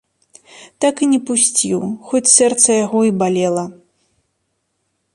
Так і не пусціў, хоць сэрца яго і балела.